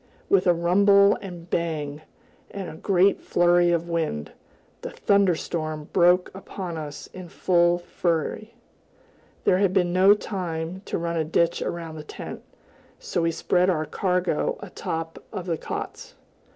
With a rumble and bang, and a great flurry of wind, the thunder storm broke upon us in full fury. There had been no time to run a ditch around the tent, so we spread our cargo atop of the cots.